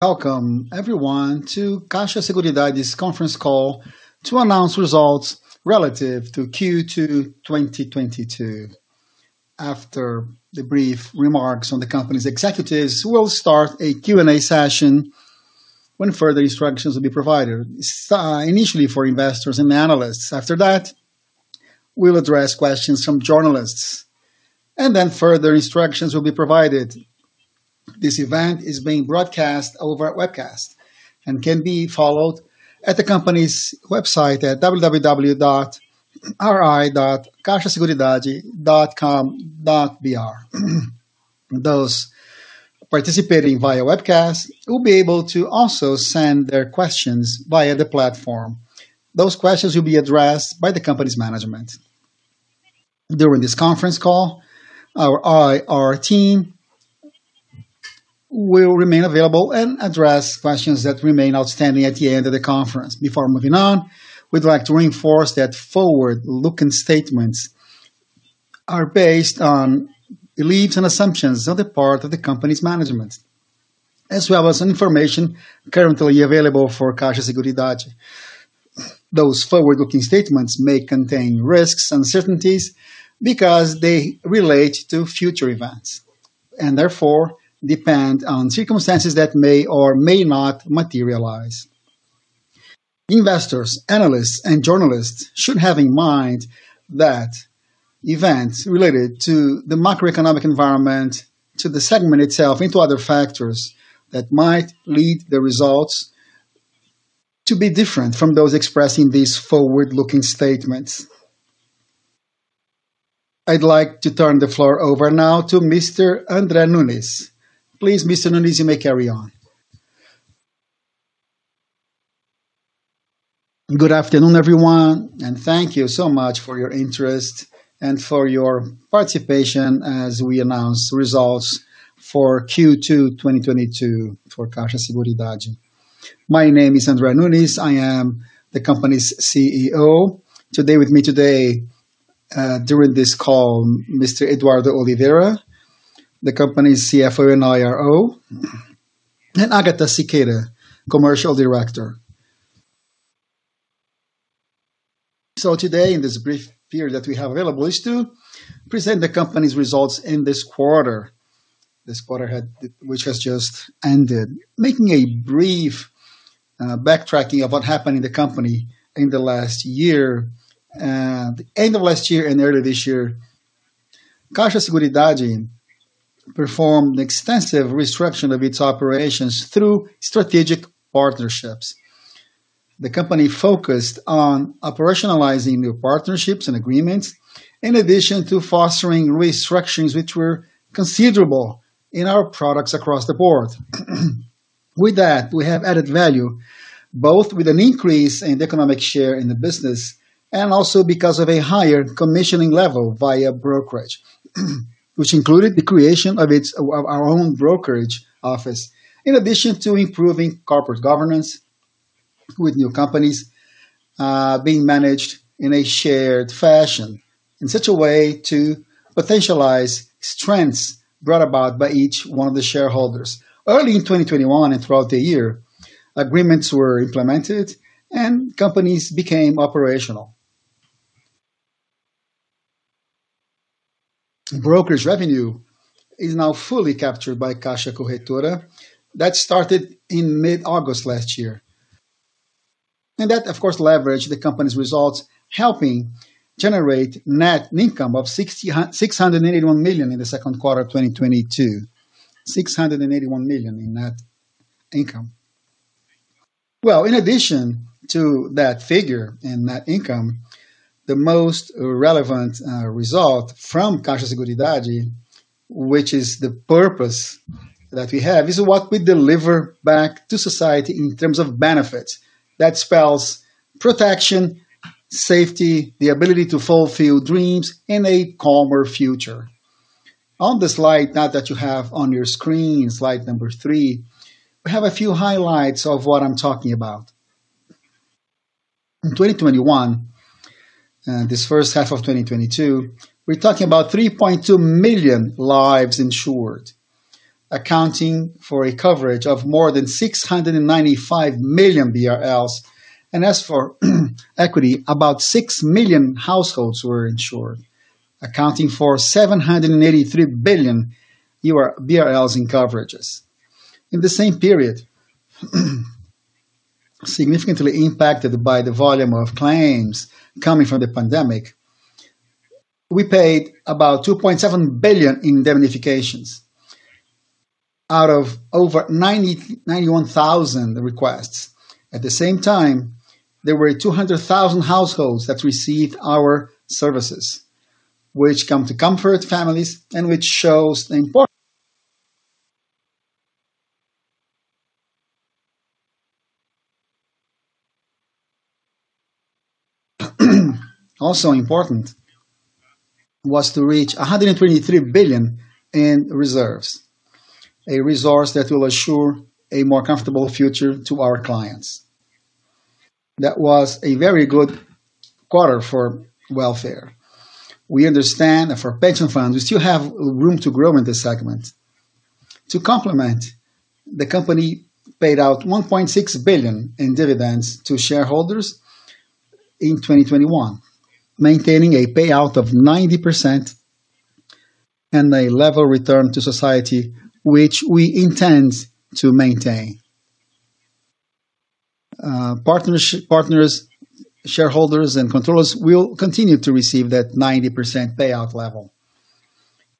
Welcome, everyone, to Caixa Seguridade's Conference Call to announce results relative to Q2 2022. After the brief remarks on the company's executives, we'll start a Q&A session when further instructions will be provided, initially for investors and analysts. After that, we'll address questions from journalists, and then further instructions will be provided. This event is being broadcast over webcast and can be followed at the company's website at www.ri.caixaseguridade.com.br. Those participating via webcast will be able to also send their questions via the platform. Those questions will be addressed by the company's management. During this conference call, our IR team will remain available and address questions that remain outstanding at the end of the conference. Before moving on, we'd like to reinforce that forward-looking statements are based on beliefs and assumptions on the part of the company's management, as well as information currently available for Caixa Seguridade. Those forward-looking statements may contain risks and certainties because they relate to future events and, therefore, depend on circumstances that may or may not materialize. Investors, analysts, and journalists should have in mind that events related to the macroeconomic environment, to the segment itself, and to other factors that might lead the results to be different from those expressed in these forward-looking statements. I'd like to turn the floor over now to Mr. André Nunes. Please, Mr. Nunes, you may carry on. Good afternoon, everyone, and thank you so much for your interest and for your participation as we announce results for Q2 2022 for Caixa Seguridade. My name is André Nunes. I am the company's CEO. Today with me during this call, Mr. Eduardo Oliveira, the company's CFO and IRO, and Ágata Siqueira, Commercial Director. Today, in this brief period that we have available, is to present the company's results in this quarter, which has just ended, making a brief backtracking of what happened in the company in the last year. At the end of last year and early this year, Caixa Seguridade performed an extensive restructuring of its operations through strategic partnerships. The company focused on operationalizing new partnerships and agreements, in addition to fostering restructurings, which were considerable in our products across the board. With that, we have added value, both with an increase in the economic share in the business and also because of a higher commissioning level via brokerage, which included the creation of our own brokerage office, in addition to improving corporate governance with new companies being managed in a shared fashion, in such a way to potentialize strengths brought about by each one of the shareholders. Early in 2021 and throughout the year, agreements were implemented and companies became operational. Brokerage revenue is now fully captured by Caixa Corretora. That started in mid-August last year, and that, of course, leveraged the company's results, helping generate net income of 681 million in the second quarter of 2022, 681 million in net income. Well, in addition to that figure and net income, the most relevant result from Caixa Seguridade, which is the purpose that we have, is what we deliver back to society in terms of benefits that spells protection, safety, the ability to fulfill dreams in a calmer future. On the slide that you have on your screen, slide number three, we have a few highlights of what I'm talking about. In 2021, this first half of 2022, we're talking about 3.2 million lives insured, accounting for a coverage of more than 695 million BRL. As for equity, about 6 million households were insured, accounting for 783 billion BRL in coverages. In the same period, significantly impacted by the volume of claims coming from the pandemic, we paid about 2.7 billion in indemnifications out of over 91,000 requests. At the same time, there were 200,000 households that received our services, which come to comfort families and which shows the importance. Also important was to reach 123 billion in reserves, a resource that will assure a more comfortable future to our clients. That was a very good quarter for welfare. We understand that for pension funds, we still have room to grow in this segment. To complement, the company paid out 1.6 billion in dividends to shareholders in 2021, maintaining a payout of 90% and a level return to society, which we intend to maintain. Partners, shareholders, and controllers will continue to receive that 90% payout level.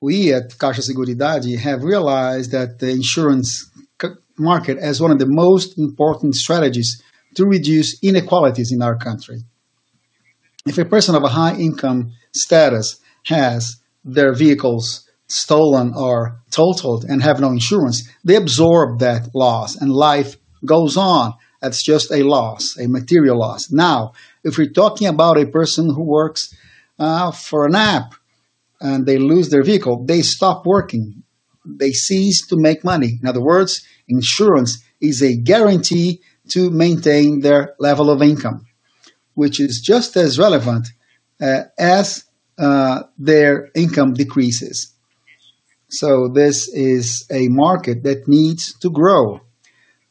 We at Caixa Seguridade have realized that the insurance market is one of the most important strategies to reduce inequalities in our country. If a person of a high income status has their vehicles stolen or totaled and have no insurance, they absorb that loss and life goes on. That's just a loss, a material loss. Now, if we're talking about a person who works for an app and they lose their vehicle, they stop working. They cease to make money. In other words, insurance is a guarantee to maintain their level of income, which is just as relevant as their income decreases. This is a market that needs to grow.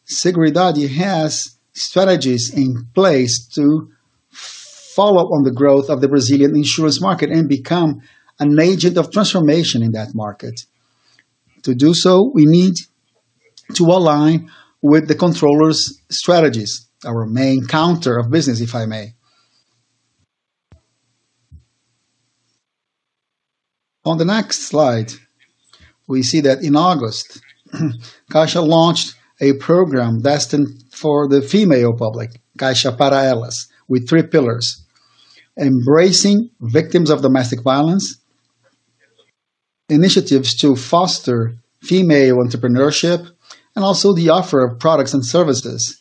Seguridade has strategies in place to follow up on the growth of the Brazilian insurance market and become an agent of transformation in that market. To do so, we need to align with the controllers' strategies, our main counter of business, if I may. On the next slide, we see that in August, Caixa launched a program destined for the female public, Caixa Pra Elas, with three pillars, embracing victims of domestic violence, initiatives to foster female entrepreneurship, and also the offer of products and services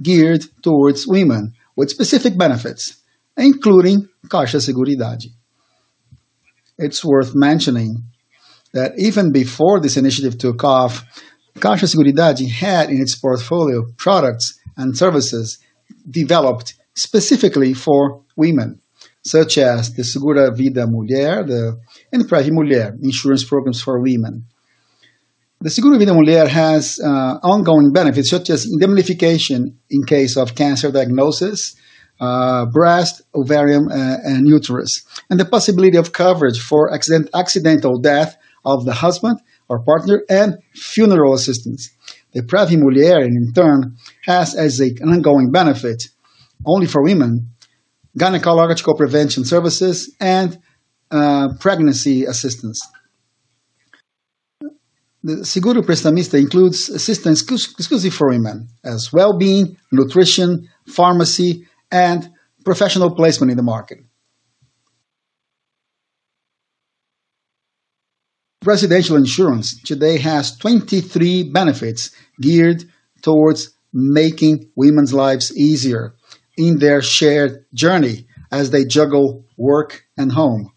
geared towards women with specific benefits, including Caixa Seguridade. It's worth mentioning that even before this initiative took off, Caixa Seguridade had in its portfolio products and services developed specifically for women, such as the Seguro Vida Mulher, the Emprego Mulher, insurance programs for women. The Seguro Vida Mulher has ongoing benefits, such as indemnification in case of cancer diagnosis, breast, ovarian, and uterus, and the possibility of coverage for accidental death of the husband or partner, and funeral assistance. The Emprego Mulher, in turn, has as an ongoing benefit only for women gynecological prevention services and pregnancy assistance. The Seguro Prestamista includes assistance exclusively for women, such as well-being, nutrition, pharmacy, and professional placement in the market. Caixa Residencial today has 23 benefits geared towards making women's lives easier in their shared journey as they juggle work and home.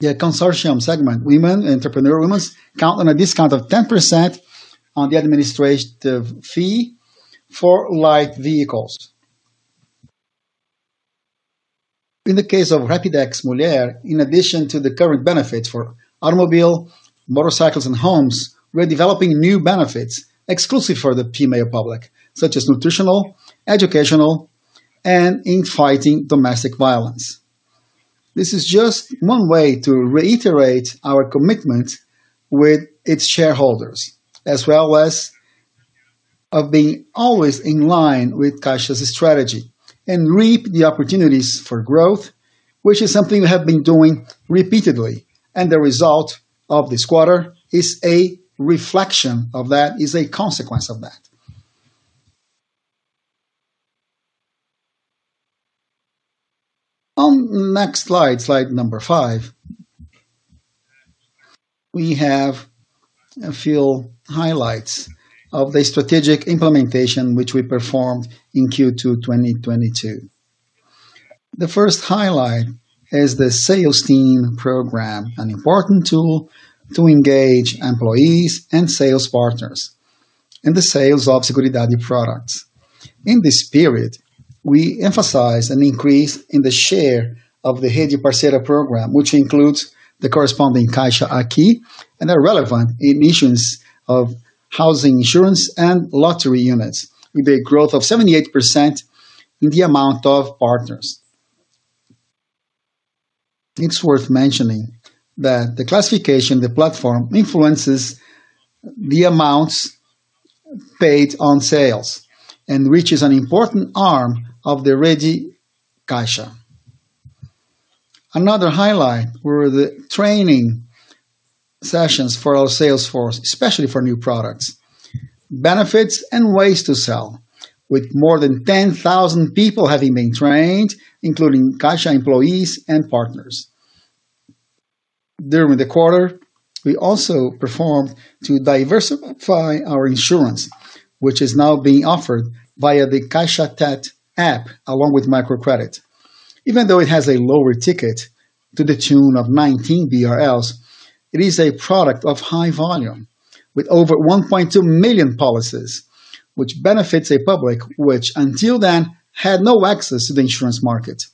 The consortium segment, women entrepreneurial women, count on a discount of 10% on the administrative fee for light vehicles. In the case of Rapidex Mulher, in addition to the current benefits for automobiles, motorcycles, and homes, we are developing new benefits exclusively for the female public, such as nutritional, educational, and in fighting domestic violence. This is just one way to reiterate our commitment with its shareholders, as well as being always in line with Caixa's strategy and reap the opportunities for growth, which is something we have been doing repeatedly. The result of this quarter is a reflection of that, is a consequence of that. On the next slide number five, we have a few highlights of the strategic implementation which we performed in Q2 2022. The first highlight is the Sales Team Program, an important tool to engage employees and sales partners in the sales of Seguridade products. In this period, we emphasized an increase in the share of the Rede Parceira program, which includes the corresponding CAIXA Aqui and are relevant in issues of housing insurance and lottery units, with a growth of 78% in the amount of partners. It's worth mentioning that the classification, the platform influences the amounts paid on sales and reaches an important arm of the Rede Caixa. Another highlight were the training sessions for our sales force, especially for new products, benefits, and ways to sell, with more than 10,000 people having been trained, including Caixa employees and partners. During the quarter, we also performed to diversify our insurance, which is now being offered via the Caixa Tem app along with microcredit. Even though it has a lower ticket to the tune of 19 BRL, it is a product of high volume with over 1.2 million policies, which benefits a public which until then had no access to the insurance market,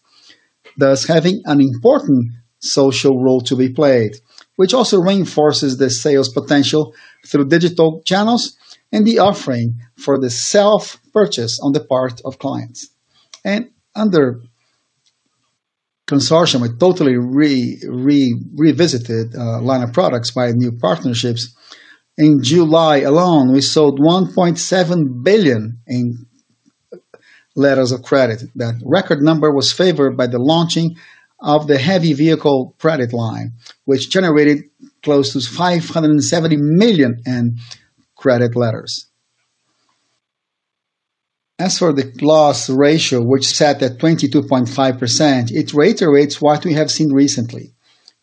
thus having an important social role to be played, which also reinforces the sales potential through digital channels and the offering for the self-purchase on the part of clients. Under consortium, we totally revisited a line of products by new partnerships. In July alone, we sold 1.7 billion in letters of credit. That record number was favored by the launching of the heavy vehicle credit line, which generated close to 570 million in credit letters. As for the loss ratio, which sat at 22.5%, it reiterates what we have seen recently,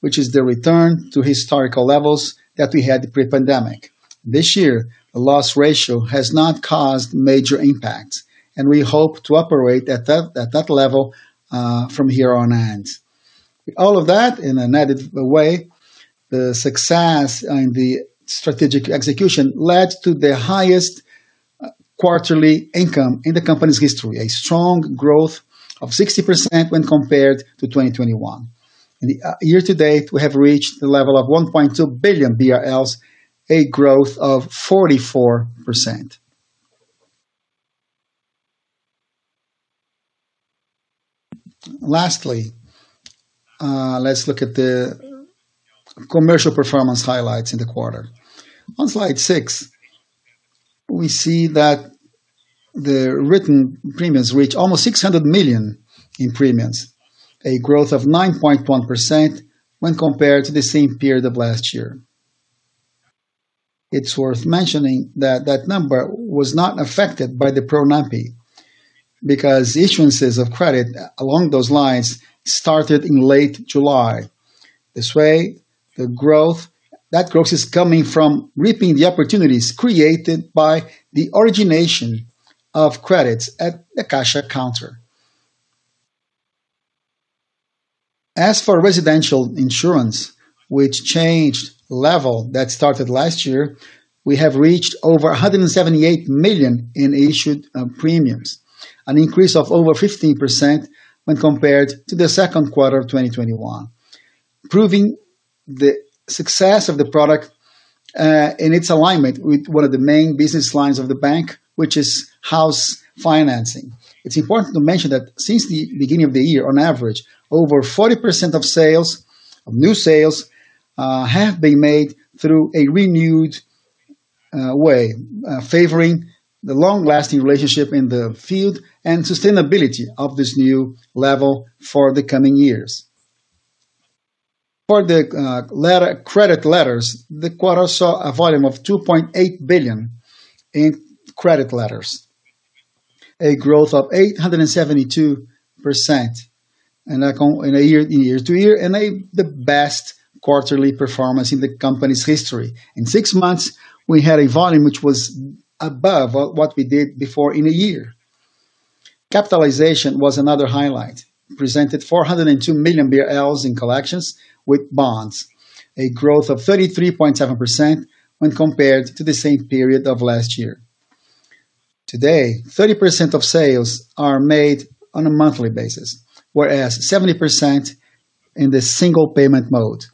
which is the return to historical levels that we had pre-pandemic. This year, the loss ratio has not caused major impacts, and we hope to operate at that level from here on end. All of that, in an added way, the success in the strategic execution led to the highest quarterly income in the company's history, a strong growth of 60% when compared to 2021. Year to date, we have reached the level of 1.2 billion BRL, a growth of 44%. Lastly, let's look at the commercial performance highlights in the quarter. On slide six, we see that the written premiums reach almost 600 million in premiums, a growth of 9.1% when compared to the same period of last year. It's worth mentioning that that number was not affected by the PRONAMPE because issuances of credit along those lines started in late July. This way, the growth is coming from reaping the opportunities created by the origination of credits at the Caixa counter. As for residential insurance, which changed level that started last year, we have reached over 178 million in issued premiums, an increase of over 15% when compared to the second quarter of 2021, proving the success of the product in its alignment with one of the main business lines of the bank, which is house financing. It's important to mention that since the beginning of the year, on average, over 40% of new sales have been made through a renewed way, favoring the long-lasting relationship in the field and sustainability of this new level for the coming years. For the credit letters, the quarter saw a volume of 2.8 billion in credit letters, a growth of 872% year-over-year and the best quarterly performance in the company's history. In six months, we had a volume which was above what we did before in a year. Capitalization was another highlight, presented 402 million BRL in collections with bonds, a growth of 33.7% when compared to the same period of last year. Today, 30% of sales are made on a monthly basis, whereas 70% in the single payment mode.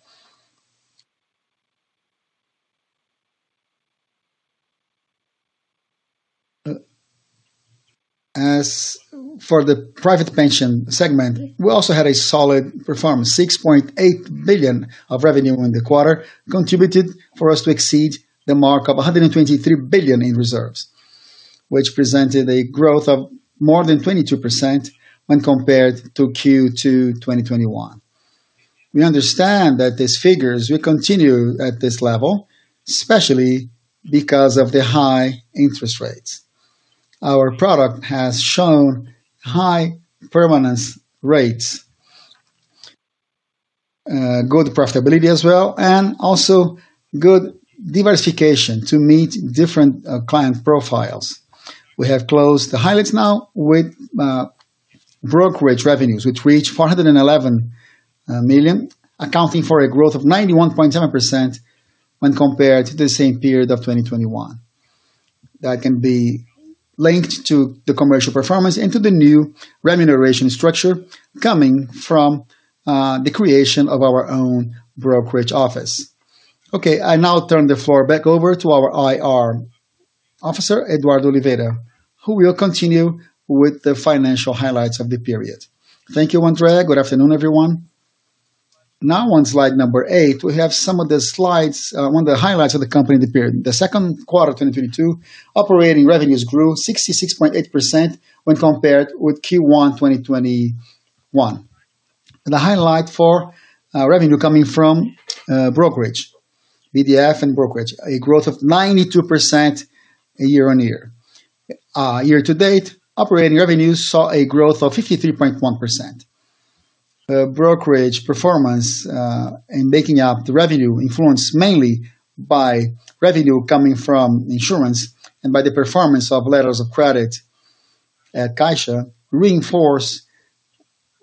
As for the private pension segment, we also had a solid performance, 6.8 billion of revenue in the quarter contributed for us to exceed the mark of 123 billion in reserves, which presented a growth of more than 22% when compared to Q2 2021. We understand that these figures will continue at this level, especially because of the high interest rates. Our product has shown high permanence rates, good profitability as well, and also good diversification to meet different client profiles. We have closed the highlights now with brokerage revenues, which reached 411 million, accounting for a growth of 91.7% when compared to the same period of 2021. That can be linked to the commercial performance and to the new remuneration structure coming from the creation of our own brokerage office. Okay, I now turn the floor back over to our IR officer, Eduardo Oliveira, who will continue with the financial highlights of the period. Thank you, André. Good afternoon, everyone. Now, on slide number eight, we have some of the highlights of the company in the period. In the second quarter of 2022, operating revenues grew 66.8% when compared with Q1 2021. The highlight for revenue coming from brokerage, BDF and brokerage, a growth of 92% year-on-year. Year to date, operating revenues saw a growth of 53.1%. Brokerage performance in making up the revenue influenced mainly by revenue coming from insurance and by the performance of letters of credit at Caixa reinforce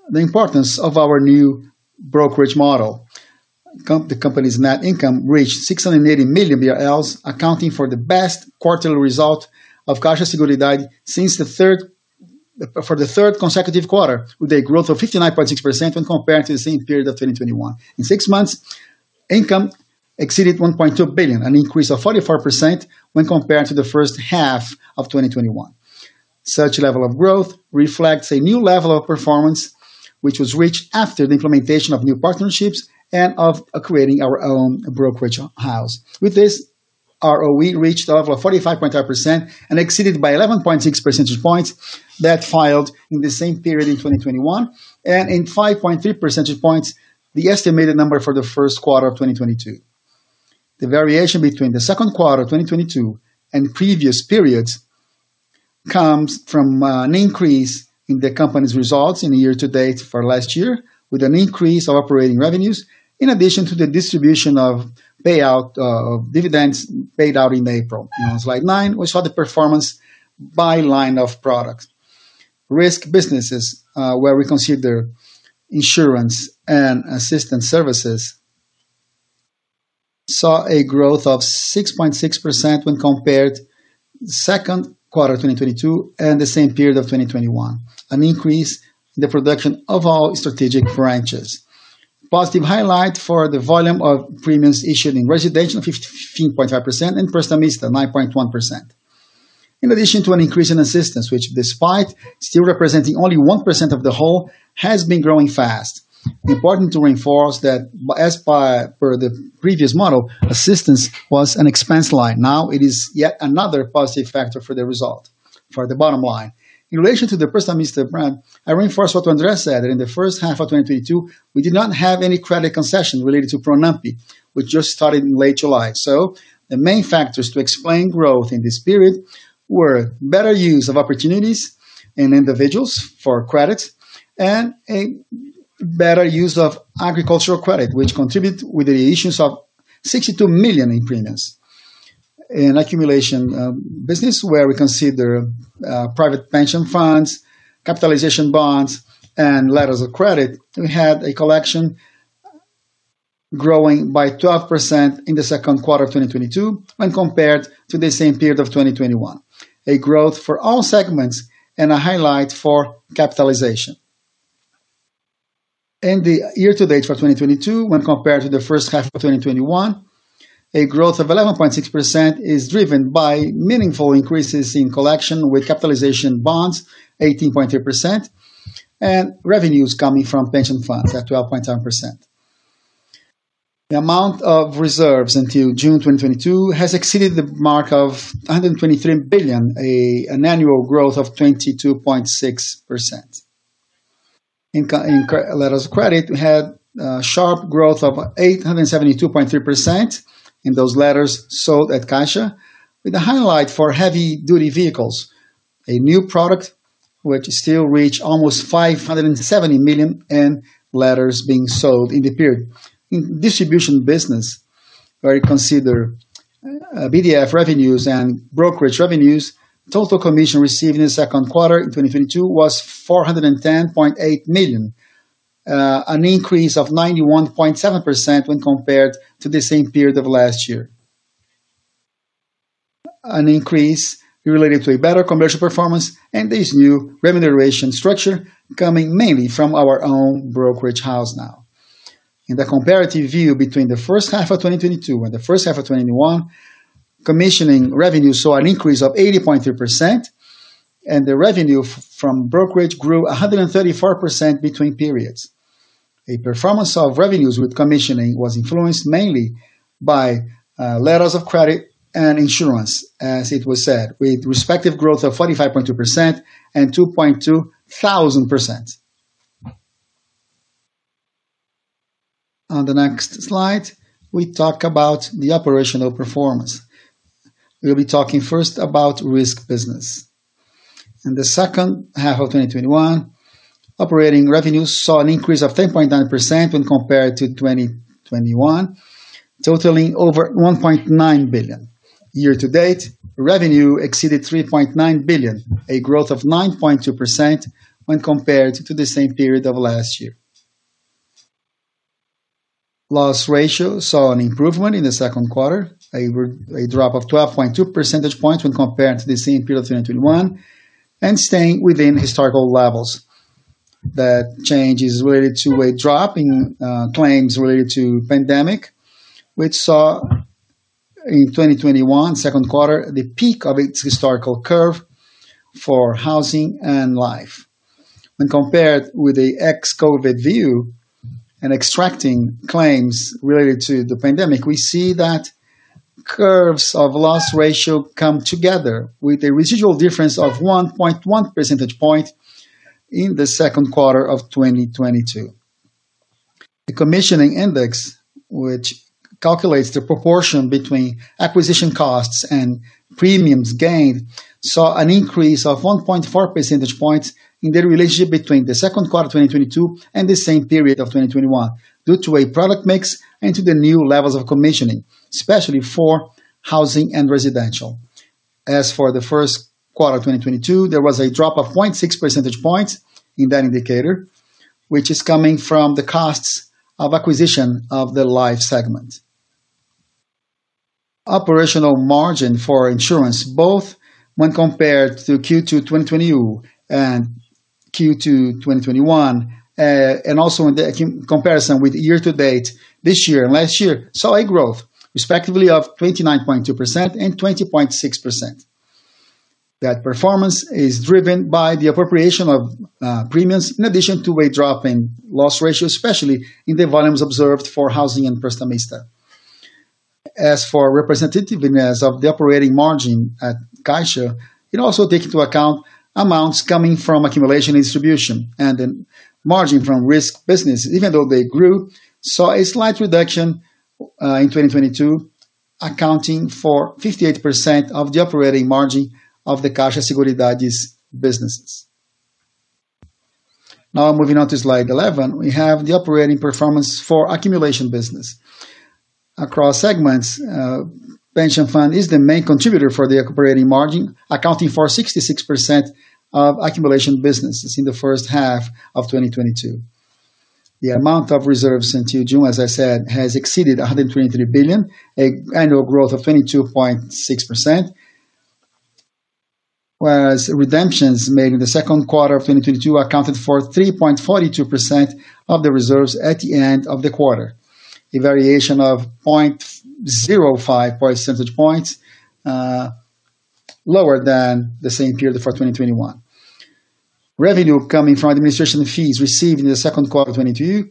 the importance of our new brokerage model. The company's net income reached 680 million BRL, accounting for the best quarterly result for the third consecutive quarter of Caixa Seguridade, with a growth of 59.6% when compared to the same period of 2021. In six months, income exceeded 1.2 billion, an increase of 44% when compared to the first half of 2021. Such level of growth reflects a new level of performance, which was reached after the implementation of new partnerships and of creating our own brokerage house. With this, ROE reached the level of 45.5% and exceeded by 11.6 percentage points the figure in the same period in 2021 and by 5.3 percentage points the estimated number for the first quarter of 2022. The variation between the second quarter of 2022 and previous periods comes from an increase in the company's results in the year to date for last year, with an increase of operating revenues in addition to the distribution of dividends paid out in April. On slide nine, we saw the performance by line of products. Risk businesses, where we consider insurance and assistance services, saw a growth of 6.6% when compared to the second quarter of 2022 and the same period of 2021, an increase in the production of all strategic branches. Positive highlight for the volume of premiums issued in residential, 15.5%, and Prestamista, 9.1%. In addition to an increase in assistance, which despite still representing only 1% of the whole, has been growing fast. Important to reinforce that, as per the previous model, assistance was an expense line. Now, it is yet another positive factor for the result, for the bottom line. In relation to the Prestamista brand, I reinforce what André said, that in the first half of 2022, we did not have any credit concession related to PRONAMPE, which just started in late July. The main factors to explain growth in this period were better use of opportunities and individual credit and better use of agricultural credit, which contributed with the issuance of 62 million in premiums. In accumulation business, where we consider private pension funds, capitalization bonds, and letters of credit, we had a collection growing by 12% in the second quarter of 2022 when compared to the same period of 2021, a growth for all segments and a highlight for capitalization. In the year to date for 2022, when compared to the first half of 2021, a growth of 11.6% is driven by meaningful increases in collection with capitalization bonds, 18.3%, and revenues coming from pension funds at 12.7%. The amount of reserves until June 2022 has exceeded the mark of 123 billion, an annual growth of 22.6%. In letters of credit, we had a sharp growth of 872.3% in those letters sold at Caixa, with a highlight for heavy-duty vehicles, a new product which still reached almost 570 million in letters being sold in the period. In distribution business, where we consider BDF revenues and brokerage revenues, total commission received in the second quarter in 2022 was 410.8 million, an increase of 91.7% when compared to the same period of last year, an increase related to a better commercial performance and this new remuneration structure coming mainly from our own brokerage house now. In the comparative view between the first half of 2022 and the first half of 2021, commission revenues saw an increase of 80.3%, and the revenue from brokerage grew 134% between periods. The performance of commission revenues was influenced mainly by letters of credit and insurance, as it was said, with respective growth of 45.2% and 2.2000%. On the next slide, we talk about the operational performance. We'll be talking first about risk business. In the second half of 2021, operating revenues saw an increase of 10.9% when compared to 2021, totaling over 1.9 billion. Year to date, revenue exceeded 3.9 billion, a growth of 9.2% when compared to the same period of last year. Loss ratio saw an improvement in the second quarter, a drop of 12.2 percentage points when compared to the same period of 2021, and staying within historical levels. That change is related to a drop in claims related to pandemic, which saw in 2021, second quarter, the peak of its historical curve for housing and life. When compared with the ex-COVID view and extracting claims related to the pandemic, we see that curves of loss ratio come together with a residual difference of 1.1 percentage point in the second quarter of 2022. The commissioning index, which calculates the proportion between acquisition costs and premiums gained, saw an increase of 1.4 percentage points in the relationship between the second quarter of 2022 and the same period of 2021 due to a product mix and to the new levels of commissioning, especially for housing and residential. As for the first quarter of 2022, there was a drop of 0.6 percentage points in that indicator, which is coming from the costs of acquisition of the life segment. Operational margin for insurance, both when compared to Q2 2022 and Q2 2021, and also in the comparison with year-to-date this year and last year, saw a growth, respectively, of 29.2% and 20.6%. That performance is driven by the appropriation of premiums in addition to a drop in loss ratio, especially in the volumes observed for housing and Prestamista. As for representativeness of the operating margin at Caixa, it also takes into account amounts coming from accumulation distribution, and the margin from risk business, even though they grew, saw a slight reduction in 2022, accounting for 58% of the operating margin of the Caixa Seguridade's businesses. Now, moving on to slide 11, we have the operating performance for accumulation business. Across segments, pension fund is the main contributor for the operating margin, accounting for 66% of accumulation businesses in the first half of 2022. The amount of reserves until June, as I said, has exceeded 123 billion, an annual growth of 22.6%, whereas redemptions made in the second quarter of 2022 accounted for 3.42% of the reserves at the end of the quarter, a variation of 0.05 percentage points lower than the same period for 2021. Revenue coming from administration fees received in the second quarter of 2022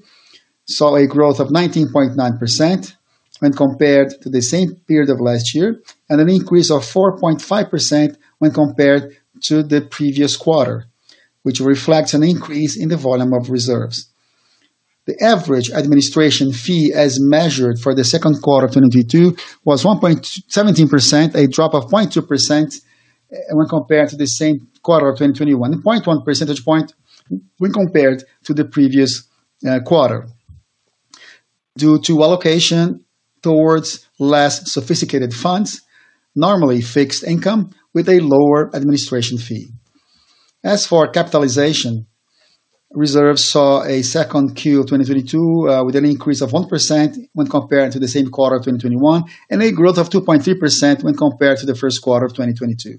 saw a growth of 19.9% when compared to the same period of last year and an increase of 4.5% when compared to the previous quarter, which reflects an increase in the volume of reserves. The average administration fee as measured for the second quarter of 2022 was 1.17%, a drop of 0.2% when compared to the same quarter of 2021, 0.1 percentage point when compared to the previous quarter, due to allocation towards less sophisticated funds, namely fixed income, with a lower administration fee. As for capitalization, reserves saw in Q2 2022 an increase of 1% when compared to the same quarter of 2021 and a growth of 2.3% when compared to the first quarter of 2022.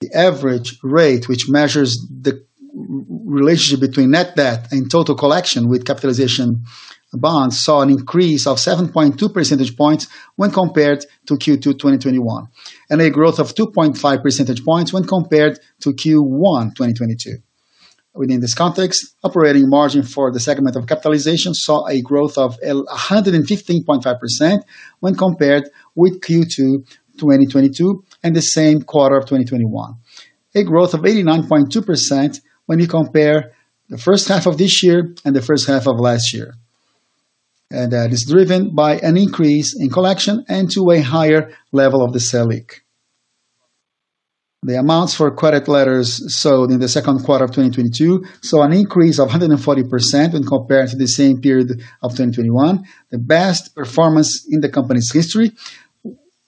The average rate, which measures the relationship between net debt and total collection with capitalization bonds, saw an increase of 7.2 percentage points when compared to Q2 2021 and a growth of 2.5 percentage points when compared to Q1 2022. Within this context, operating margin for the segment of capitalization saw a growth of 115.5% when compared with Q2 2021 and the same quarter of 2021, a growth of 89.2% when you compare the first half of this year and the first half of last year. That is driven by an increase in collection and to a higher level of the scale. The amounts for credit letters sold in the second quarter of 2022 saw an increase of 140% when compared to the same period of 2021, the best performance in the company's history,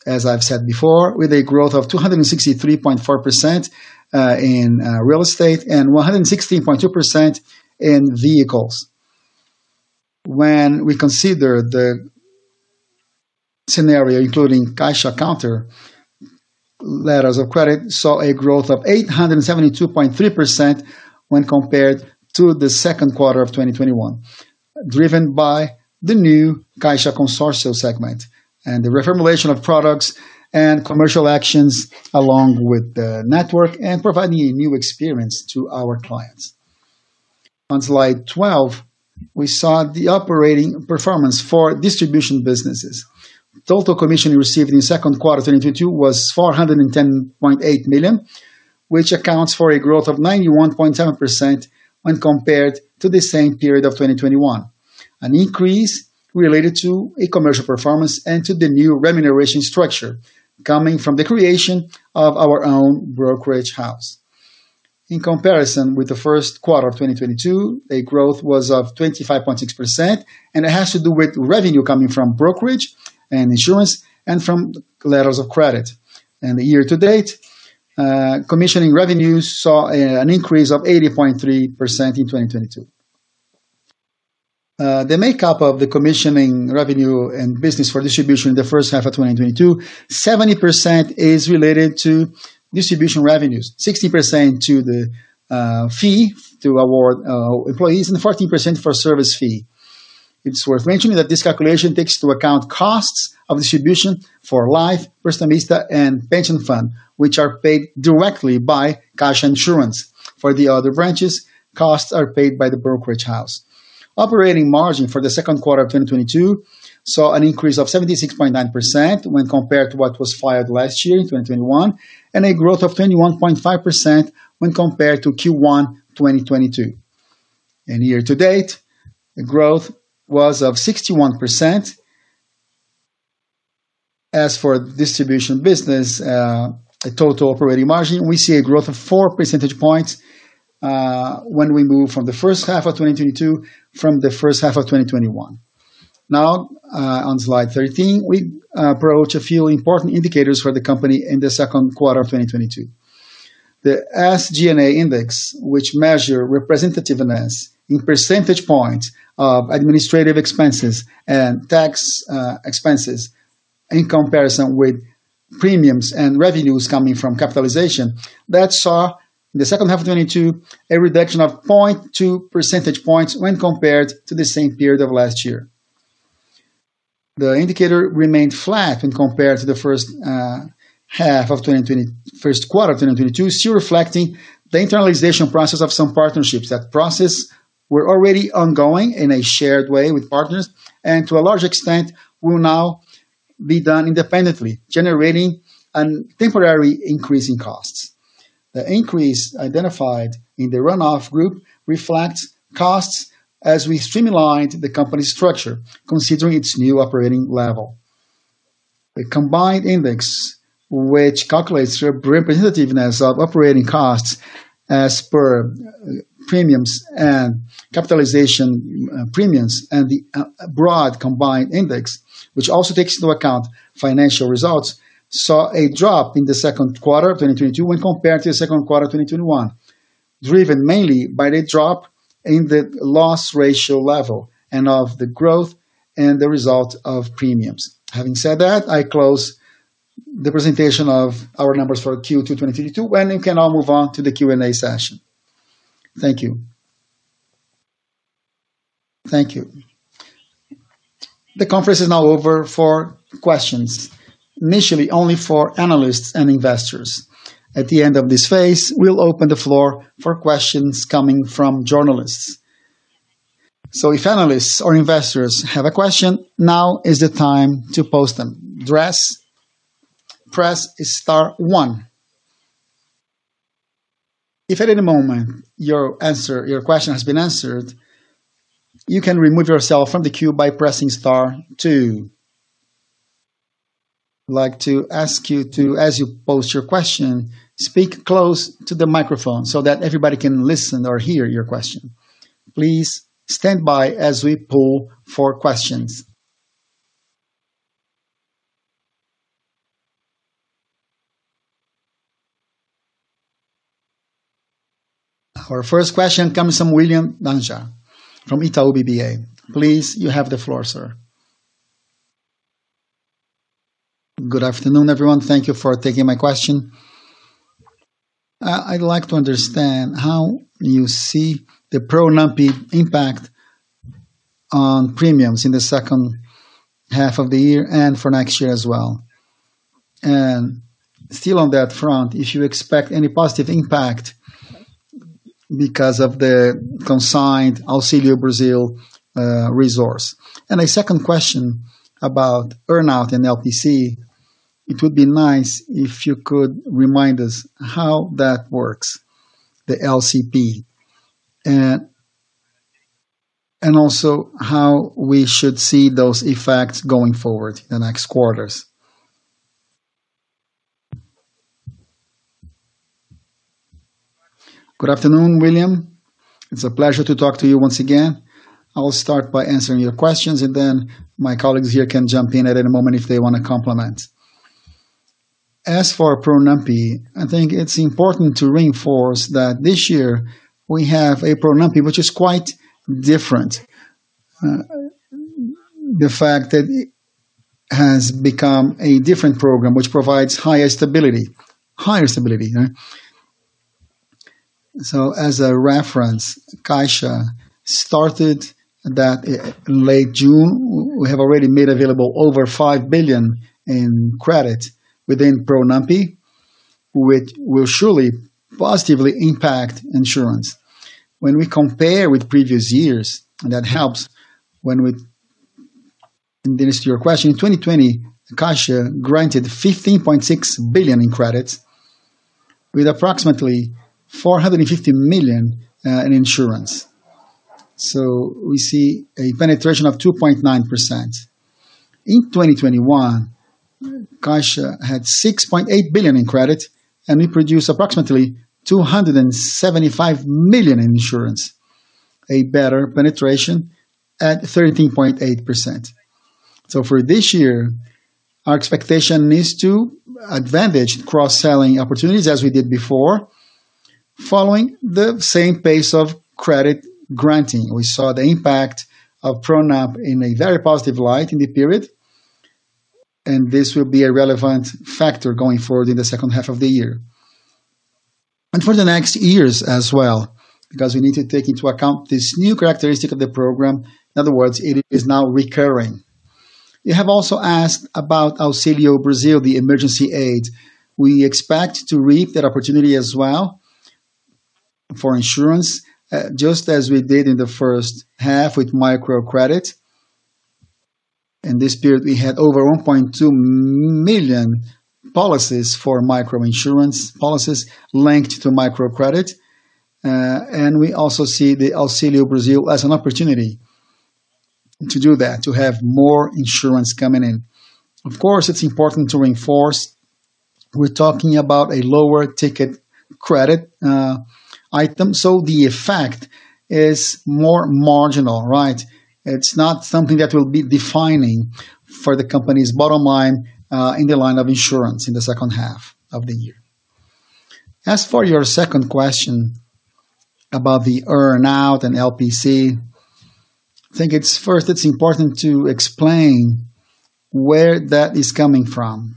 as I've said before, with a growth of 263.4% in real estate and 116.2% in vehicles. When we consider the scenario including Caixa counter, letters of credit saw a growth of 872.3% when compared to the second quarter of 2021, driven by the new Caixa consortium segment and the reformulation of products and commercial actions along with the network and providing a new experience to our clients. On slide 12, we saw the operating performance for distribution businesses. Total commission received in the second quarter of 2022 was 410.8 million, which accounts for a growth of 91.7% when compared to the same period of 2021, an increase related to a commercial performance and to the new remuneration structure coming from the creation of our own brokerage house. In comparison with the first quarter of 2022, a growth was of 25.6%, and it has to do with revenue coming from brokerage and insurance and from letters of credit. The year to date, commission revenues saw an increase of 80.3% in 2022. The makeup of the commission revenue and business for distribution in the first half of 2022, 70% is related to distribution revenues, 60% to the fee to award employees, and 14% for service fee. It's worth mentioning that this calculation takes into account costs of distribution for life, Prestamista, and pension fund, which are paid directly by Caixa insurance. For the other branches, costs are paid by the brokerage house. Operating margin for the second quarter of 2022 saw an increase of 76.9% when compared to what was filed last year in 2021 and a growth of 21.5% when compared to Q1 2022. Year to date, the growth was of 61%. As for distribution business, the total operating margin, we see a growth of 4 percentage points when we move from the first half of 2022 from the first half of 2021. Now, on slide 13, we approach a few important indicators for the company in the second quarter of 2022. The SG&A index, which measures representativeness in percentage points of administrative expenses and tax expenses in comparison with premiums and revenues coming from capitalization, that saw in the second half of 2022 a reduction of 0.2 percentage points when compared to the same period of last year. The indicator remained flat when compared to the first half of 2020, first quarter of 2022, still reflecting the internalization process of some partnerships the processes were already ongoing in a shared way with partners and to a large extent will now be done independently, generating a temporary increase in costs. The increase identified in the runoff group reflects costs as we streamlined the company's structure, considering its new operating level. The combined index, which calculates representativeness of operating costs as per premiums and capitalization premiums and the broad combined index, which also takes into account financial results, saw a drop in the second quarter of 2022 when compared to the second quarter of 2021, driven mainly by the drop in the loss ratio level and of the growth and the result of premiums. Having said that, I close the presentation of our numbers for Q2 2022, and you can now move on to the Q&A session. Thank you. Thank you. The conference is now open for questions, initially only for analysts and investors. At the end of this phase, we'll open the floor for questions coming from journalists. If analysts or investors have a question, now is the time to pose them. Press star one. If at any moment your answer, your question has been answered, you can remove yourself from the queue by pressing star two. I'd like to ask you to, as you post your question, speak close to the microphone so that everybody can listen or hear your question. Please stand by as we pull for questions. Our first question comes from William Barranjard from Itaú BBA. Please, you have the floor, sir. Good afternoon, everyone. Thank you for taking my question. I'd like to understand how you see the prolonged impact on premiums in the second half of the year and for next year as well. Still on that front, if you expect any positive impact because of the consigned Auxílio Brasil resource. A second question about earnout and LPC, it would be nice if you could remind us how that works, the LPC, and also how we should see those effects going forward in the next quarters. Good afternoon, William. It's a pleasure to talk to you once again. I'll start by answering your questions, and then my colleagues here can jump in at any moment if they want to complement. As for PRONAMPE, I think it's important to reinforce that this year we have a PRONAMPE, which is quite different. The fact that it has become a different program, which provides higher stability. As a reference, Caixa started that in late June. We have already made available over 5 billion in credit within PRONAMPE, which will surely positively impact insurance when we compare with previous years, and that helps when we answer your question. In 2020, Caixa granted 15.6 billion in credits with approximately 450 million in insurance. We see a penetration of 2.9%. In 2021, Caixa had 6.8 billion in credit, and we produced approximately 275 million in insurance, a better penetration at 13.8%. For this year, our expectation is to advantage cross-selling opportunities as we did before, following the same pace of credit granting. We saw the impact of PRONAMPE in a very positive light in the period, and this will be a relevant factor going forward in the second half of the year and for the next years as well, because we need to take into account this new characteristic of the program. In other words, it is now recurring. You have also asked about Auxílio Brasil, the emergency aid. We expect to reap that opportunity as well for insurance, just as we did in the first half with microcredit. In this period, we had over 1.2 million microinsurance policies linked to microcredit, and we also see the Auxílio Brasil as an opportunity to do that, to have more insurance coming in. Of course, it's important to reinforce. We're talking about a lower ticket credit item, so the effect is more marginal, right? It's not something that will be defining for the company's bottom line in the line of insurance in the second half of the year. As for your second question about the earnout and LPC, I think it's first, it's important to explain where that is coming from.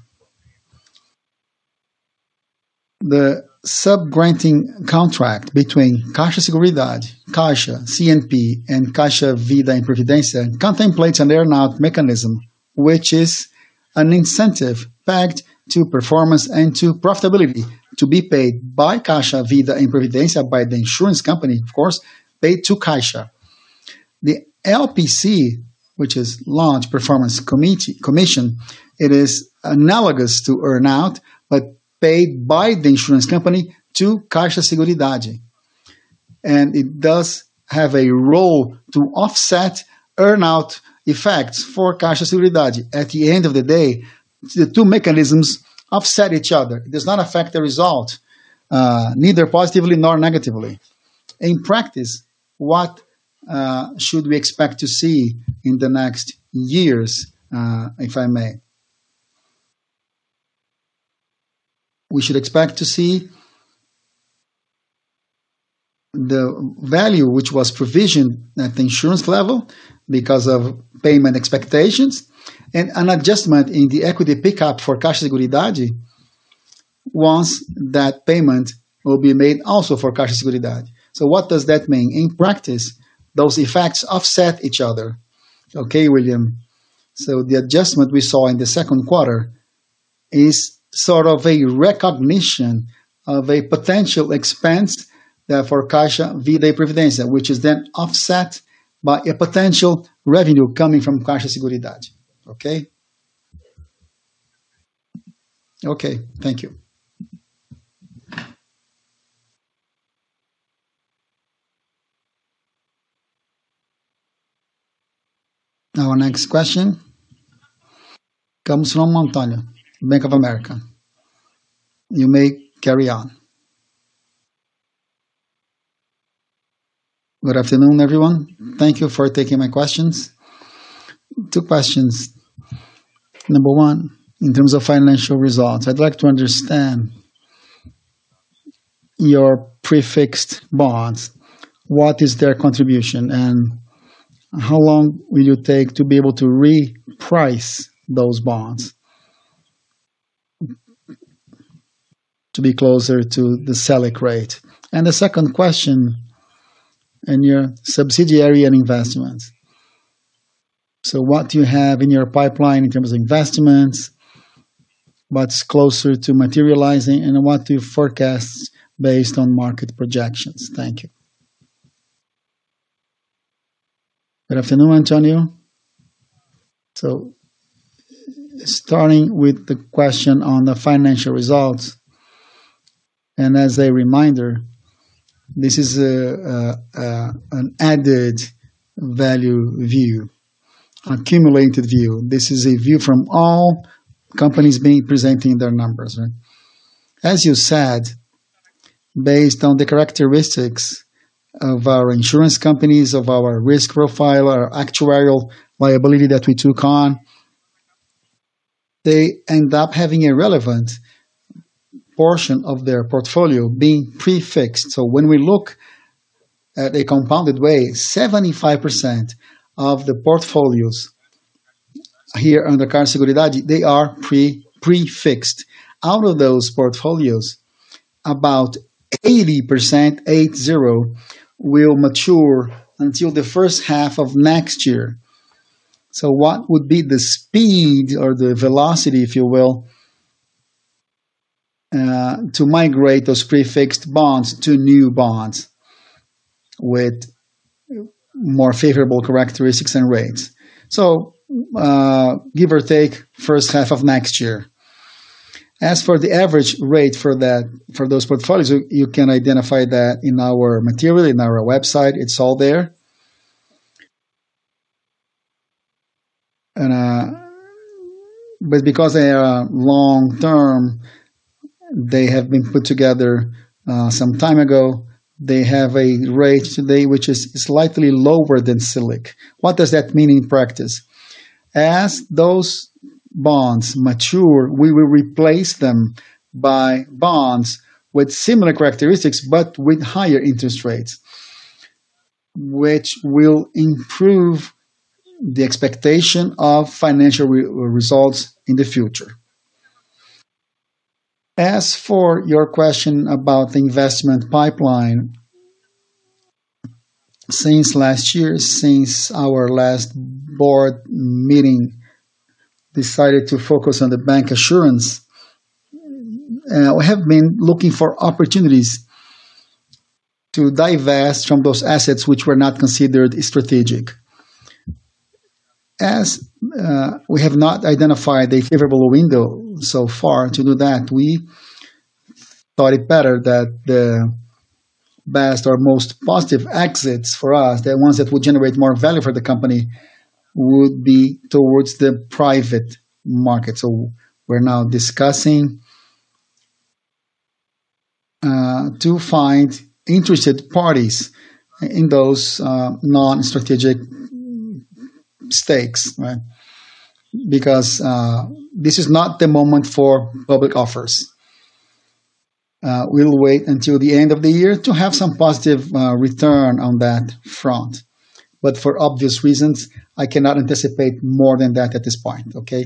The subgranting contract between Caixa Seguridade, Caixa, CNP, and Caixa Vida e Previdência contemplates an earnout mechanism, which is an incentive pegged to performance and to profitability to be paid by Caixa Vida e Previdência, by the insurance company, of course, paid to Caixa. The LPC, which is Launch Performance Commission, it is analogous to earnout but paid by the insurance company to Caixa Seguridade. It does have a role to offset earnout effects for Caixa Seguridade. At the end of the day, the two mechanisms offset each other. It does not affect the result, neither positively nor negatively. In practice, what should we expect to see in the next years, if I may? We should expect to see the value which was provisioned at the insurance level because of payment expectations and an adjustment in the equity pickup for Caixa Seguridade once that payment will be made also for Caixa Seguridade. What does that mean? In practice, those effects offset each other. Okay, William. The adjustment we saw in the second quarter is sort of a recognition of a potential expense for Caixa Vida e Previdência, which is then offset by a potential revenue coming from Caixa Seguridade. Okay? Okay. Thank you. Our next question comes from Antonio Bank of America. You may carry on. Good afternoon, everyone. Thank you for taking my questions. Two questions. Number one, in terms of financial results, I'd like to understand your prefixed bonds. What is their contribution and how long will it take to be able to reprice those bonds to be closer to the selling rate? The second question, in your subsidiary and investments. What do you have in your pipeline in terms of investments? What's closer to materializing and what do you forecast based on market projections? Thank you. Good afternoon, Antonio. Starting with the question on the financial results. As a reminder, this is an added value view, accumulated view. This is a view from all companies presenting their numbers. As you said, based on the characteristics of our insurance companies, of our risk profile, our actuarial liability that we took on, they end up having a relevant portion of their portfolio being prefixed. When we look at a compounded way, 75% of the portfolios here under Caixa Seguridade, they are prefixed. Out of those portfolios, about 80% will mature until the first half of next year. What would be the speed or the velocity, if you will, to migrate those prefixed bonds to new bonds with more favorable characteristics and rates? Give or take first half of next year. As for the average rate for those portfolios, you can identify that in our material, in our website. It's all there. Because they are long term, they have been put together some time ago, they have a rate today which is slightly lower than SELIC. What does that mean in practice? As those bonds mature, we will replace them by bonds with similar characteristics but with higher interest rates, which will improve the expectation of financial results in the future. As for your question about the investment pipeline, since last year, since our last board meeting decided to focus on the bancassurance, we have been looking for opportunities to divest from those assets which were not considered strategic. As we have not identified a favorable window so far to do that, we thought it better that the best or most positive exits for us, the ones that would generate more value for the company, would be towards the private market. We're now discussing to find interested parties in those non-strategic stakes, right? Because this is not the moment for public offers. We'll wait until the end of the year to have some positive return on that front. But for obvious reasons, I cannot anticipate more than that at this point. Okay?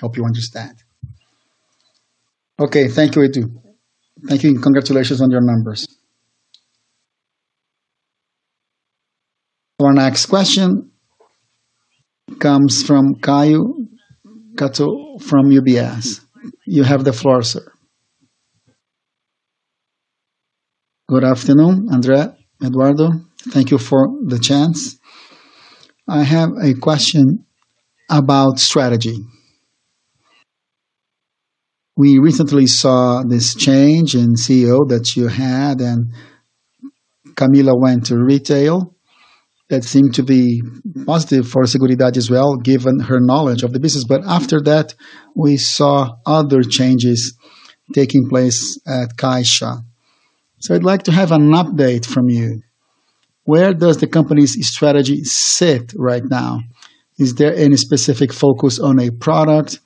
Hope you understand. Okay. Thank you, Edu. Thank you and congratulations on your numbers. Our next question comes from Kaio Prato from UBS. You have the floor, sir. Good afternoon, André, Eduardo. Thank you for the chance. I have a question about strategy. We recently saw this change in CEO that you had, and Camila went to retail. That seemed to be positive for Seguridade as well, given her knowledge of the business. After that, we saw other changes taking place at Caixa. I'd like to have an update from you. Where does the company's strategy sit right now? Is there any specific focus on a product?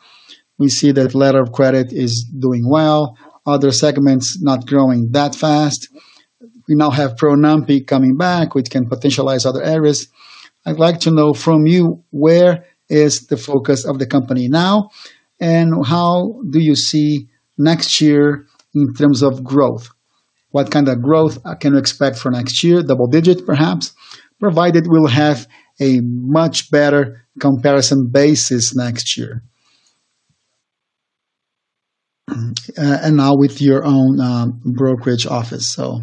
We see that letter of credit is doing well, other segments not growing that fast. We now have PRONAMPE coming back, which can potentialize other areas. I'd like to know from you, where is the focus of the company now, and how do you see next year in terms of growth? What kind of growth can you expect for next year, double digit perhaps, provided we'll have a much better comparison basis next year? Now with your own brokerage office, so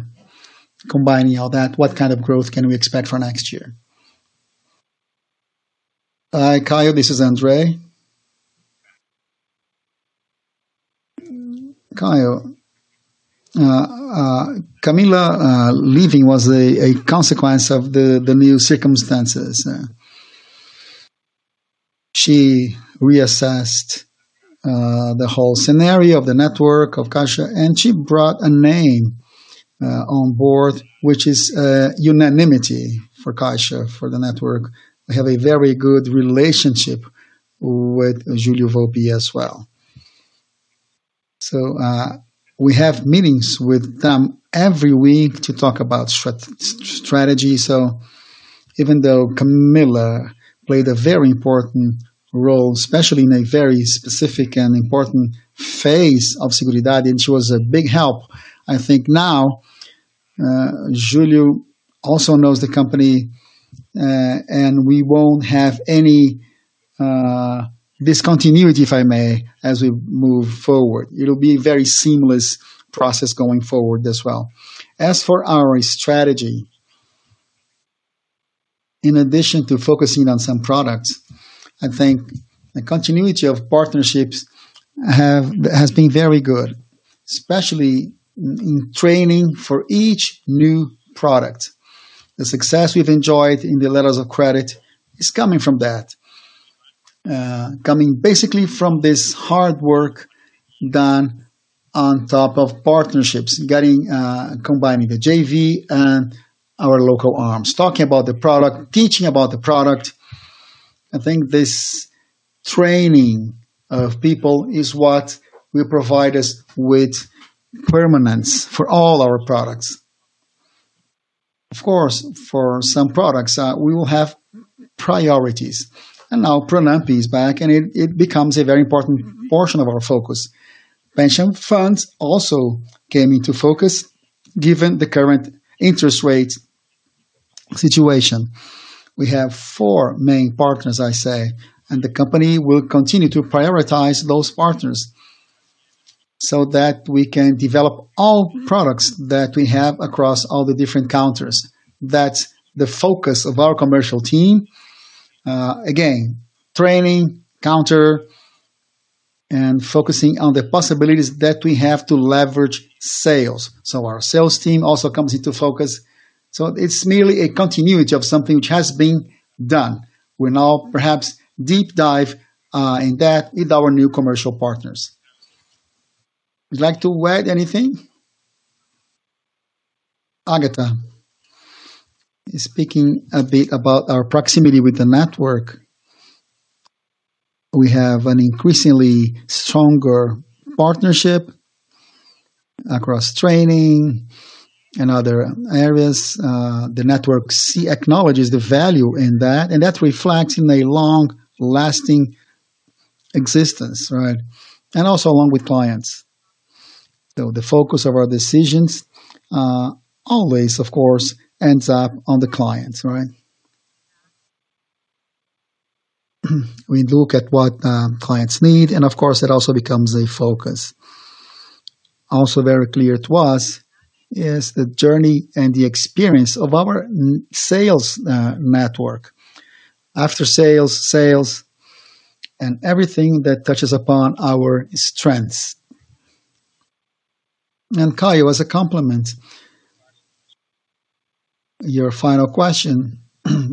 combining all that, what kind of growth can we expect for next year? Hi, Kaio. This is André. Kaio. Camila leaving was a consequence of the new circumstances. She reassessed the whole scenario of the network of Caixa, and she brought a name on board, which is unanimity for Caixa, for the network. We have a very good relationship with Júlio Volpi as well. We have meetings with them every week to talk about strategy. Even though Camila played a very important role, especially in a very specific and important phase of Caixa Seguridade, and she was a big help, I think now Júlio also knows the company, and we won't have any discontinuity, if I may, as we move forward. It'll be a very seamless process going forward as well. As for our strategy, in addition to focusing on some products, I think the continuity of partnerships has been very good, especially in training for each new product. The success we've enjoyed in the letters of credit is coming from that, coming basically from this hard work done on top of partnerships, combining the JV and our local arms, talking about the product, teaching about the product. I think this training of people is what will provide us with permanence for all our products. Of course, for some products, we will have priorities. Now PRONAMPE is back, and it becomes a very important portion of our focus. Pension funds also came into focus given the current interest rate situation. We have four main partners, I say, and the company will continue to prioritize those partners so that we can develop all products that we have across all the different counters. That's the focus of our commercial team. Again, training, counter, and focusing on the possibilities that we have to leverage sales. Our sales team also comes into focus. It's merely a continuity of something which has been done. We'll now perhaps deep dive in that with our new commercial partners. Would you like to add anything? Ágata is speaking a bit about our proximity with the network. We have an increasingly stronger partnership across training and other areas. The network acknowledges the value in that, and that reflects in a long-lasting existence, right? Also along with clients. The focus of our decisions always, of course, ends up on the clients, right? We look at what clients need, and of course, it also becomes a focus. Also very clear to us is the journey and the experience of our sales network, after sales, and everything that touches upon our strengths. Kaio, as a complement, your final question,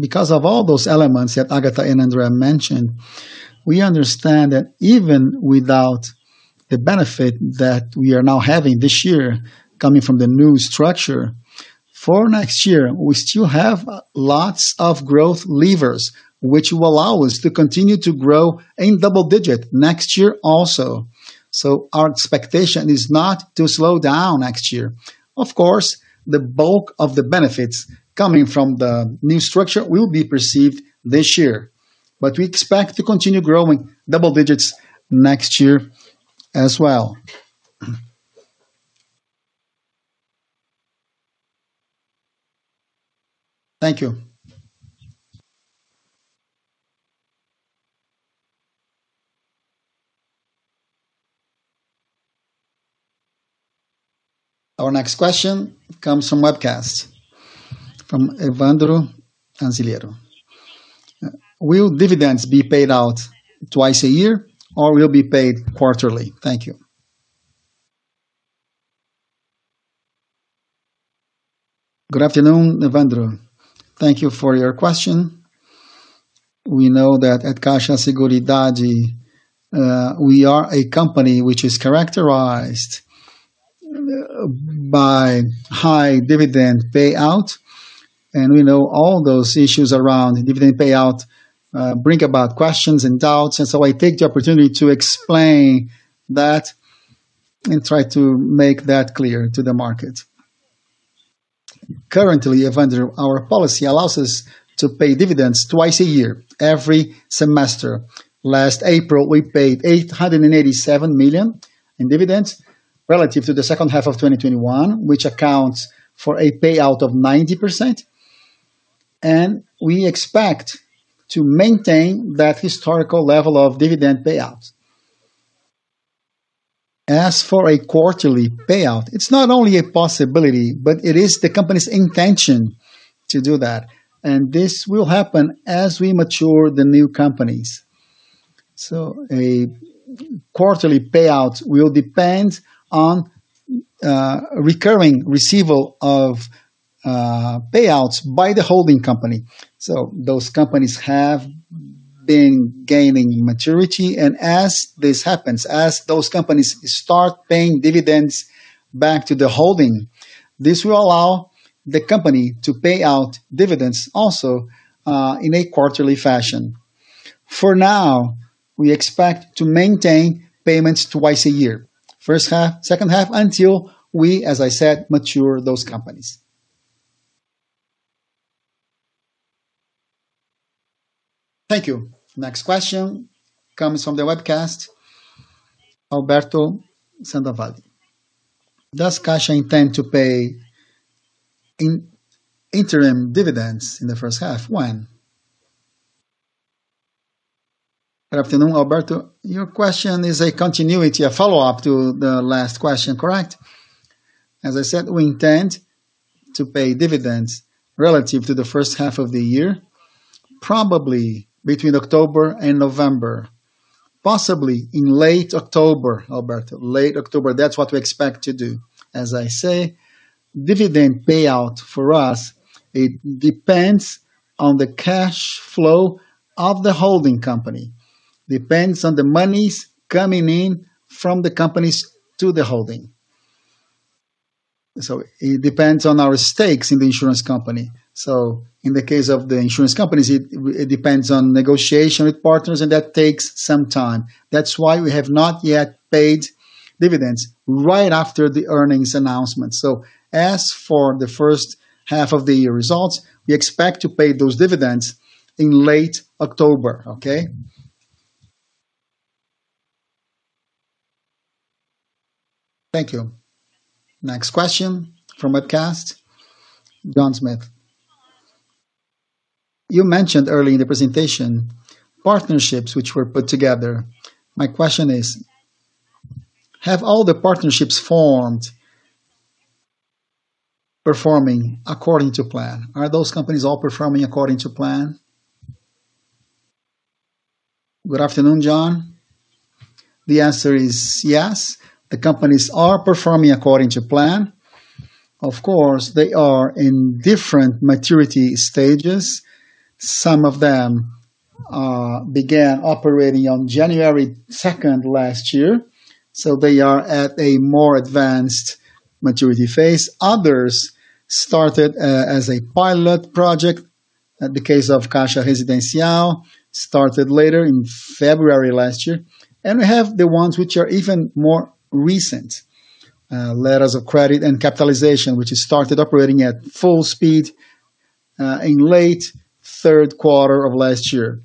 because of all those elements that Ágata and André mentioned, we understand that even without the benefit that we are now having this year coming from the new structure, for next year, we still have lots of growth levers, which will allow us to continue to grow in double digit next year also. Our expectation is not to slow down next year. Of course, the bulk of the benefits coming from the new structure will be perceived this year, but we expect to continue growing double digits next year as well. Thank you. Our next question comes from webcast, from Evandro Anziliero. Will dividends be paid out twice a year or will they be paid quarterly? Thank you. Good afternoon, Evandro. Thank you for your question. We know that at Caixa Seguridade, we are a company which is characterized by high dividend payout, and we know all those issues around dividend payout bring about questions and doubts. I take the opportunity to explain that and try to make that clear to the market. Currently, Evandro, our policy allows us to pay dividends twice a year, every semester. Last April, we paid 887 million in dividends relative to the second half of 2021, which accounts for a payout of 90%. We expect to maintain that historical level of dividend payout. As for a quarterly payout, it's not only a possibility, but it is the company's intention to do that. This will happen as we mature the new companies. A quarterly payout will depend on recurring receipt of payouts by the holding company. Those companies have been gaining maturity. As this happens, as those companies start paying dividends back to the holding, this will allow the company to pay out dividends also in a quarterly fashion. For now, we expect to maintain payments twice a year, first half, second half, until we, as I said, mature those companies. Thank you. Next question comes from the webcast, Alberto Sandoval. Does Caixa intend to pay interim dividends in the first half when? Good afternoon, Alberto. Your question is a continuation, a follow-up to the last question, correct? As I said, we intend to pay dividends relative to the first half of the year, probably between October and November, possibly in late October, Alberto. Late October, that's what we expect to do. As I say, dividend payout for us, it depends on the cash flow of the holding company, depends on the monies coming in from the companies to the holding. It depends on our stakes in the insurance company. In the case of the insurance companies, it depends on negotiation with partners, and that takes some time. That's why we have not yet paid dividends right after the earnings announcement. As for the first half of the year results, we expect to pay those dividends in late October, okay? Thank you. Next question from Webcast, John Smith. You mentioned early in the presentation partnerships which were put together. My question is, have all the partnerships formed performing according to plan? Are those companies all performing according to plan? Good afternoon, John. The answer is yes. The companies are performing according to plan. Of course, they are in different maturity stages. Some of them began operating on January 2nd last year, so they are at a more advanced maturity phase. Others started as a pilot project. The case of Caixa Residencial started later in February last year. We have the ones which are even more recent, letters of credit and capitalization, which started operating at full speed in late third quarter of last year.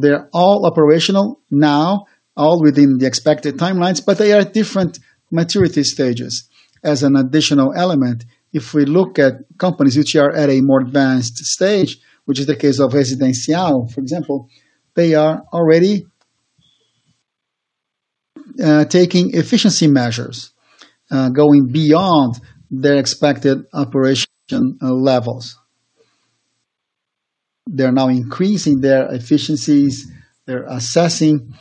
They're all operational now, all within the expected timelines, but they are at different maturity stages. As an additional element, if we look at companies which are at a more advanced stage, which is the case of Residencial, for example, they are already taking efficiency measures, going beyond their expected operation levels. They're now increasing their efficiencies. They're assessing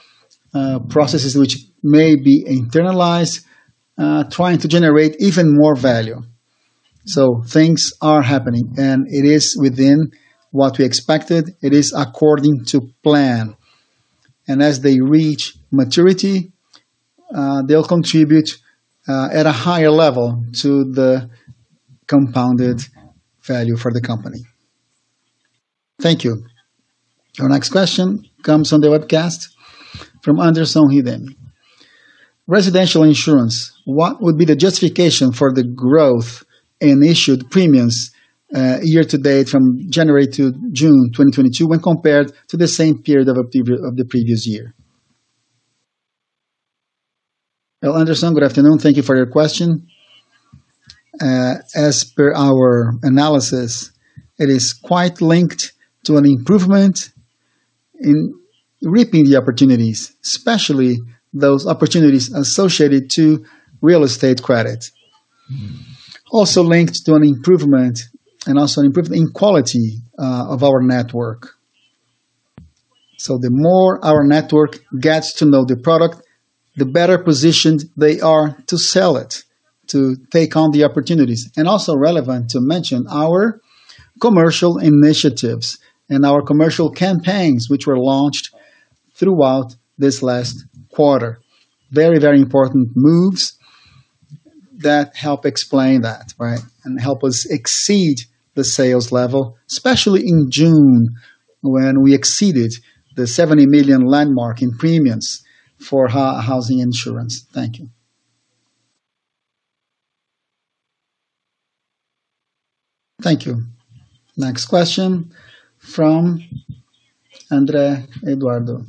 processes which may be internalized, trying to generate even more value. Things are happening, and it is within what we expected. It is according to plan. As they reach maturity, they'll contribute at a higher level to the compounded value for the company. Thank you. Our next question comes from the webcast, from Anderson Hiden. Residential insurance, what would be the justification for the growth in issued premiums year to date from January to June 2022 when compared to the same period of the previous year? Well, Anderson, good afternoon. Thank you for your question. As per our analysis, it is quite linked to an improvement in reaping the opportunities, especially those opportunities associated to real estate credit, also linked to an improvement in quality of our network. The more our network gets to know the product, the better positioned they are to sell it, to take on the opportunities. Also relevant to mention, our commercial initiatives and our commercial campaigns which were launched throughout this last quarter, very, very important moves that help explain that, right, and help us exceed the sales level, especially in June when we exceeded the 70 million landmark in premiums for housing insurance. Thank you. Thank you. Next question from André Eduardo.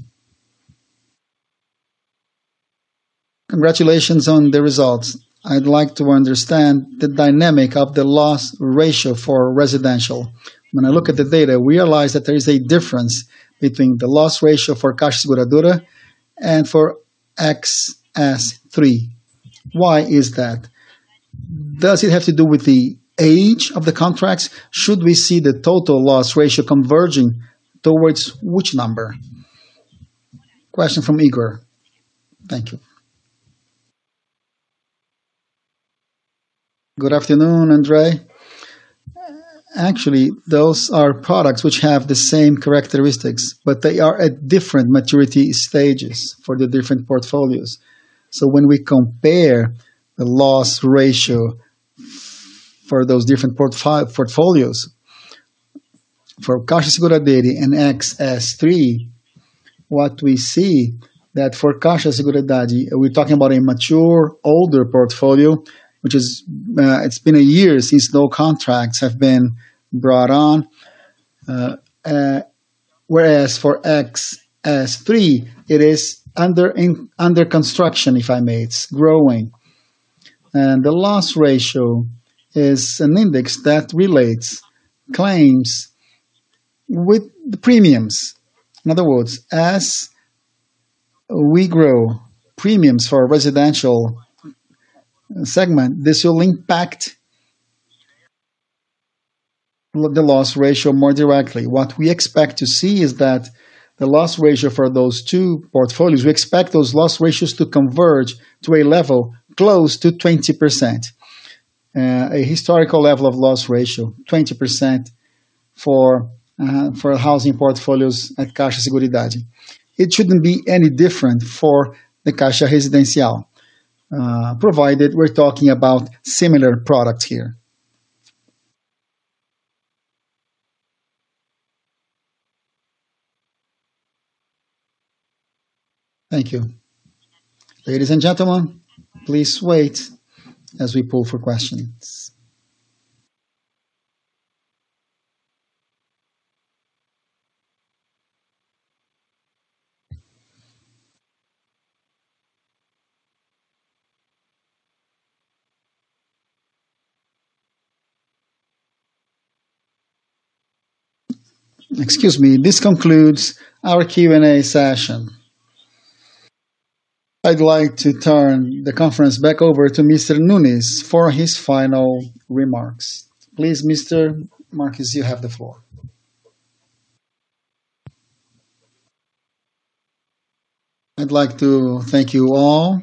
Congratulations on the results. I'd like to understand the dynamic of the loss ratio for residential. When I look at the data, we realize that there is a difference between the loss ratio for Caixa Seguradora and for XS3. Why is that? Does it have to do with the age of the contracts? Should we see the total loss ratio converging towards which number? Question from Igor. Thank you. Good afternoon, André. Actually, those are products which have the same characteristics, but they are at different maturity stages for the different portfolios. So when we compare the loss ratio for those different portfolios for Caixa Seguridade and XS3, what we see is that for Caixa Seguridade, we're talking about a mature, older portfolio, which has been a year since no contracts have been brought on. Whereas for XS3, it is under construction, if I may, it's growing. The loss ratio is an index that relates claims with the premiums. In other words, as we grow premiums for a residential segment, this will impact the loss ratio more directly. What we expect to see is that the loss ratio for those two portfolios, we expect those loss ratios to converge to a level close to 20%, a historical level of loss ratio, 20% for housing portfolios at Caixa Seguridade. It shouldn't be any different for the Caixa Residencial, provided we're talking about similar products here. Thank you. Ladies and gentlemen, please wait as we poll for questions. Excuse me. This concludes our Q&A session. I'd like to turn the conference back over to Mr. Nunes for his final remarks. Please, Mr. Nunes, you have the floor. I'd like to thank you all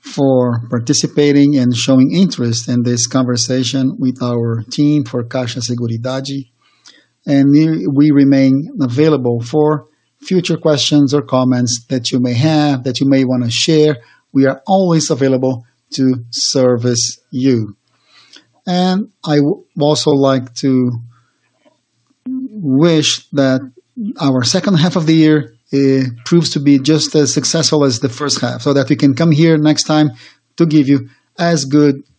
for participating and showing interest in this conversation with our team for Caixa Seguridade. We remain available for future questions or comments that you may have, that you may want to share. We are always available to service you. I would also like to wish that our second half of the year proves to be just as successful as the first half so that we can come here next time to give you as good.